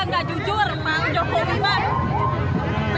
enggak adil pak jokowi